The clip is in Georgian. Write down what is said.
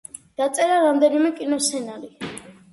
დაწერა რამდენიმე კინოსცენარი.